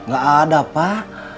gak ada pak